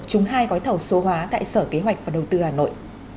trúng hai gói thầu số hóa tại sở kế hoạch và đầu tư hà nội